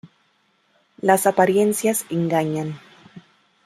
Las apariencias engañan